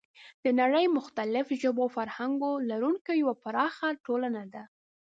نړۍ د مختلفو ژبو او فرهنګونو لرونکی یوه پراخه ټولنه ده.